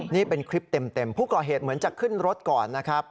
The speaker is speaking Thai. นี่เป็นคลิปเต็มผู้ก่อเหตุเหมือนจะขึ้นรถก่อนนะครับ